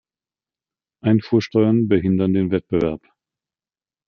Einfuhrsteuern behindern den Wettbewerb.